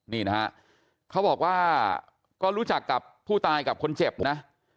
นี่นะฮะเขาบอกว่าก็รู้จักกับผู้ตายกับคนเจ็บนะ